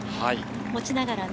持ちながらね。